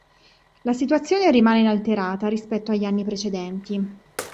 La situazione rimane inalterata rispetto agli anni precedenti.